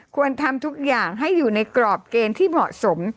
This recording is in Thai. ควรทำทุกอย่างให้อยู่ในกรอบเกณฑ์ที่เหมาะสม